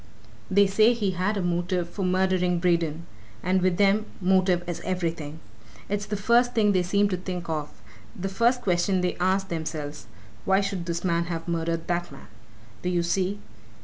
They say he'd a motive for murdering Braden and with them motive is everything. It's the first thing they seem to think of; they first question they ask themselves. 'Why should this man have murdered that man?' do you see!